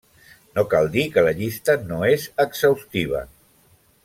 No cal dir que la llista no és exhaustiva.